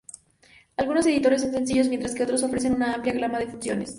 Algunos editores son sencillos mientras que otros ofrecen una amplia gama de funciones.